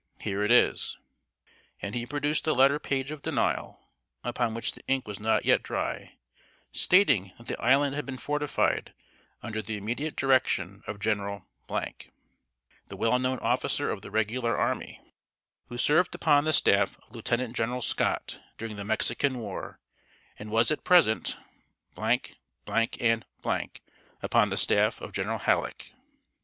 Here it is." And he produced a letter page of denial, upon which the ink was not yet dry, stating that the island had been fortified under the immediate direction of General , the well known officer of the regular army, who served upon the staff of Lieutenant General Scott during the Mexican war, and was at present ,, and upon the staff of General Halleck.